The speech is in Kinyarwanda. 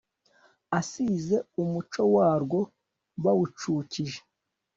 asize umuco warwo bawucukije